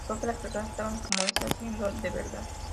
Creo que las personas estaban como, ¿Está siendo de verdad?